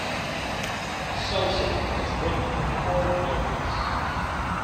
Soucy has written four novels.